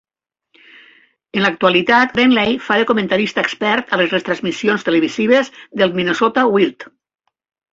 En l'actualitat, Greenlay fa de comentarista expert a les retransmissions televisives dels Minnesota Wild.